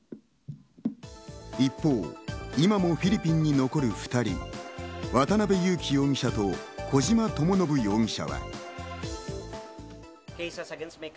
一方、今もフィリピンに残る２人、渡辺優樹容疑者と小島智信容疑者。